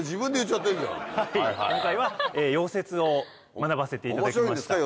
はい今回は溶接を学ばせていただきました。